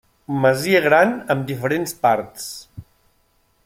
Masia gran amb diferents parts.